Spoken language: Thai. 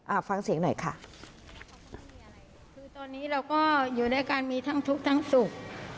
ฟังเสียงหน่อยค่ะคือตอนนี้เราก็อยู่ด้วยกันมีทั้งทุกข์ทั้งสุข